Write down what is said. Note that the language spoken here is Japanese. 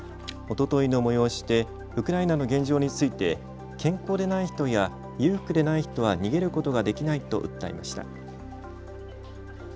おとといの催しでウクライナの現状について健康でない人や裕福でない人は逃げることができないと訴えました。